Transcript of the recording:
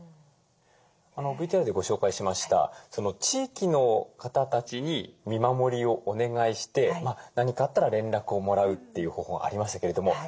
ＶＴＲでご紹介しました地域の方たちに見守りをお願いして何かあったら連絡をもらうという方法がありましたけれども。